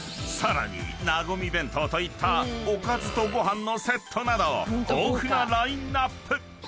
［さらになごみ弁当といったおかずとご飯のセットなど豊富なラインアップ］